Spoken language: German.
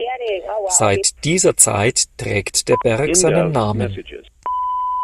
Seit dieser Zeit trägt der Berg seinen Namen.